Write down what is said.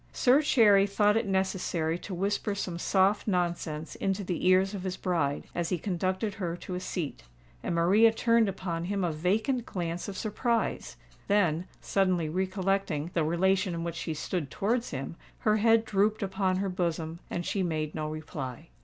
Sir Cherry thought it necessary to whisper some soft nonsense in the ears of his bride, as he conducted her to a seat; and Maria turned upon him a vacant glance of surprise;—then, suddenly recollecting the relation in which she stood towards him, her head drooped upon her bosom, and she made no reply.